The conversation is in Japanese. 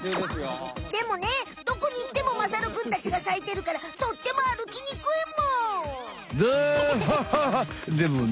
でもねどこに行ってもまさるくんたちが咲いてるからとってもあるきにくいむ。